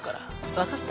分かった？